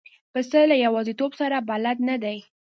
پسه له یوازیتوب سره بلد نه دی.